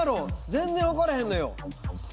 全然分からへんのよ。